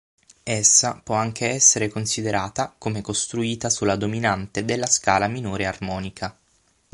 Essa può anche essere considerata come costruita sulla dominante della scala minore armonica.